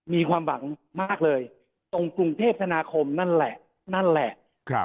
มีความหวังมากเลยตรงกรุงเทพธนาคมนั่นแหละนั่นแหละ